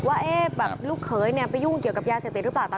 ว่าลูกเขยไปยุ่งเกี่ยวกับยาเสพติดหรือเปล่า